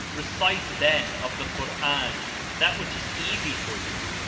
Recite, then, of the Qur'an that which is easy for you.